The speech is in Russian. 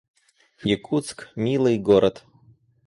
Якутск — милый город